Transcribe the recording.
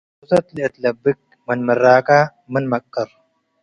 ፍሶተት ለእት ለበክ፣፡ ምን ምራቀ መን መቅር?”